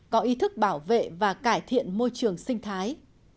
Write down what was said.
có ý thức bảo vệ và cải thiện môi trường sinh thái